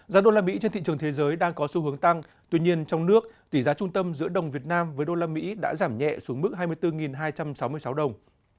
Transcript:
giá đô la mỹ trên thị trường thế giới đang có xu hướng tăng tuy nhiên trong nước tỷ giá trung tâm giữa đồng việt nam với đô la mỹ đã giảm nhẹ xuống mức hai mươi bốn hai trăm sáu mươi sáu đồng